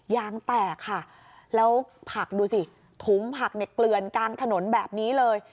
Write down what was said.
ยางแตกค่ะแล้วผักดูสิถุงผักเนี่ยเกลือนกลางถนนแบบนี้เลย